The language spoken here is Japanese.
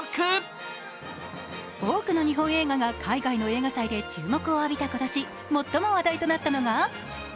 多くの日本映画が海外の映画祭で注目を浴びた今年、最も話題となったのが？